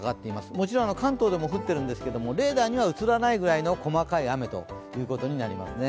もちろん関東でも降っているんですけど、レーダーには写らないぐらいの細かい雨ということになります。